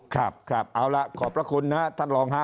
ครับครับเอาล่ะขอบพระคุณนะท่านรองฮะ